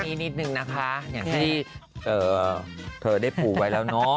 นี่นิดนึงนะคะอย่างที่เธอได้ผูกไว้แล้วเนาะ